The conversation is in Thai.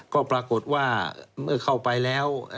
ก็ปรากฏว่าเมื่อเข้าไปแล้ว